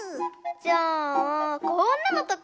じゃあこんなのとか？